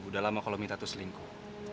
udah lama kalau mita tuh selingkuh